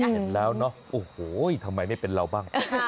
เห็นแล้วเนอะโอ้โหทำไมไม่เป็นเราบ้าง